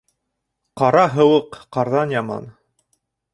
Ҡара һыуыҡ ҡарҙан яман.